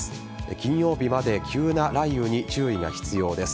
金曜日まで急な雷雨に注意が必要です。